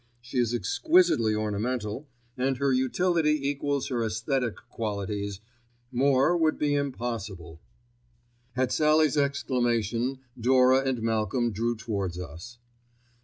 She is exquisitely ornamental, and her utility equals her æsthetic qualities; more would be impossible. At Sallie's exclamation Dora and Malcolm drew towards us.